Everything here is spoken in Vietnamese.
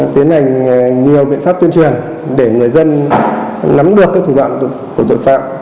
tiến hành nhiều biện pháp tuyên truyền để người dân nắm được các thủ đoạn của tội phạm